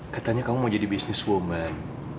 katanya kamu mau jadi businesswoman